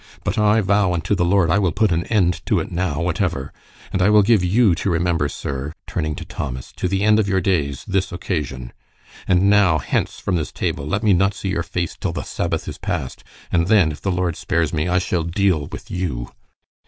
"But I vow unto the Lord I will put an end to it now, whatever. And I will give you to remember, sir," turning to Thomas, "to the end of your days, this occasion. And now, hence from this table. Let me not see your face till the Sabbath is past, and then, if the Lord spares me, I shall deal with you."